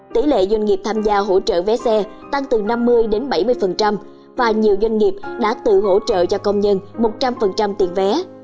tỷ lệ doanh nghiệp tham gia hỗ trợ vé xe tăng từ năm mươi đến bảy mươi và nhiều doanh nghiệp đã tự hỗ trợ cho công nhân một trăm linh tiền vé